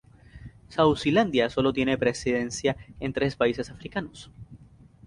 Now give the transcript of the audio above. Suazilandia sólo tiene presencia en tres países africanos.